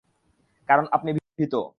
কারণ আপনি ভীত।